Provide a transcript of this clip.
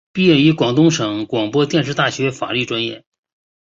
毕业于广东省广播电视大学法律专业。